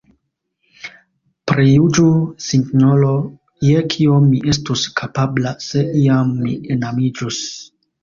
Prijuĝu, sinjoro, je kio mi estus kapabla, se iam mi enamiĝus!